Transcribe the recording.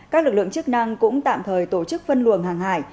các lực lượng chức năng cũng tạm thời tổ chức phân luồng hàng hải